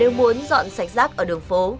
nếu muốn dọn sạch rác ở đường phố